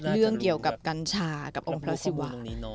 เรื่องเกี่ยวกับกัญชากับองค์พระศิวะ